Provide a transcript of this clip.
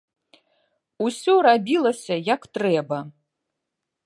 Усё рабілася, як трэба.